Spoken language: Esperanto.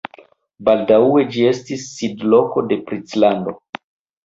Baldaŭe ĝi estis sidloko de princlando.